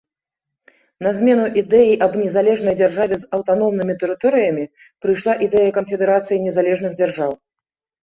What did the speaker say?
На змену ідэі аб незалежнай дзяржаве з аўтаномнымі тэрыторыямі прыйшла ідэя канфедэрацыі незалежных дзяржаў.